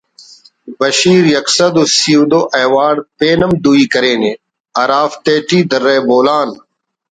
بشیر یک سَد و سی و دو ایوارڑ پین ہم دوئی کرینے ہرافتیٹ درہ بولان